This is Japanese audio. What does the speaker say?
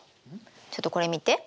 ちょっとこれ見て。